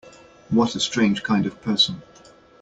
What a strange kind of person!